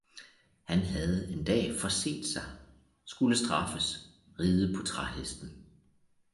han havde en dag forsét sig, skulle straffes, ride på træhesten.